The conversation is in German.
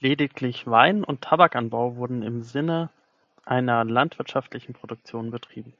Lediglich Wein- und Tabakanbau wurden im Sinne einer landwirtschaftlichen Produktion betrieben.